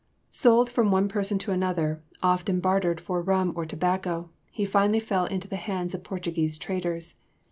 Sold from one person to another, often bartered for rum or tobacco, he finally fell into the hands of Portuguese traders.